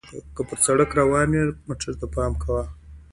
که پر سړک روانو موټرو ته پام وکړئ.